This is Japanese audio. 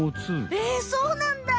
えそうなんだ！